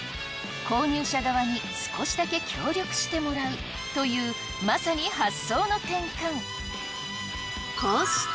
購入者側に少しだけ協力してもらうというまさに発想の転換。